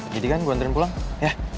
jadi kan gue anterin pulang ya